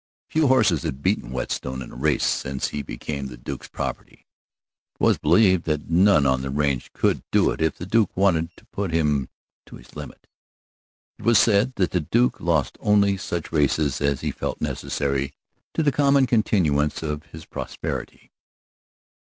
Few horses had beaten Whetstone in a race since he became the Duke's property. It was believed that none on that range could do it if the Duke wanted to put him to his limit. It was said that the Duke lost only such races as he felt necessary to the continuance of his prosperity.